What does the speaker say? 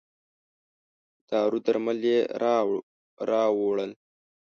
دارو درمل یې راووړل.